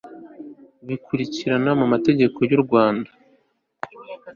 bikurikirana mu mateka yu rwanda